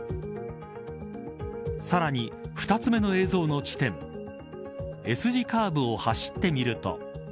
さらに、２つ目の映像の地点Ｓ字カーブを走ってみると。